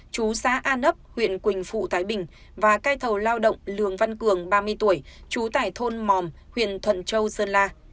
chú xá an ấp huyện quỳnh phụ thái bình và cai thầu lao động lường văn cường ba mươi tuổi chú tải thôn mòm huyện thuận châu sơn la